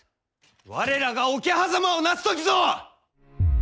我らが桶狭間をなす時ぞ！